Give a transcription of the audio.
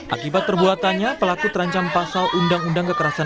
akibat perbuatannya pelaku terancam pasal undang undang kekerasan